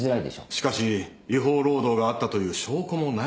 しかし違法労働があったという証拠もない。